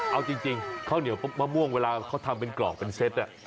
เอาจริงข้าวเหนียวมะม่วงเวลาเขาทำเป็นกรอกเป็นเซต